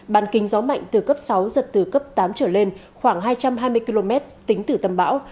bàn kính gió mạnh từ cấp sáu giật từ cấp tám trở lên khoảng hai trăm hai mươi km tính từ tâm bão